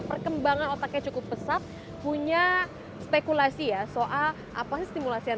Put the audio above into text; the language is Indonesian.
perkembangan otaknya cukup pesat punya spekulasi ya soal apa sih stimulasi yang